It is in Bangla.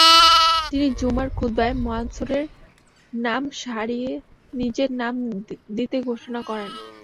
তিনি জুমার খুতবায় মানসুরের নাম সরিয়ে নিজের নাম দিতে ঘোষণা করেন।